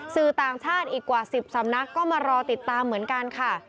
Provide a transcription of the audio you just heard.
สื่อต่างชาติอีกกว่า๑๐สำนักก็มารอติดตามเหมือนกันค่ะ